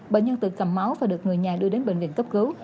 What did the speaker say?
bệnh nhân tự cầm máu và được người nhà đưa đến bệnh viện cấp cứu